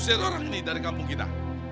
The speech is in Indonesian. usir orang ini dari kampung kita